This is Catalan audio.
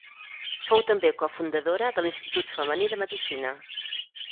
Fou també cofundadora de l'Institut Femení de Medicina.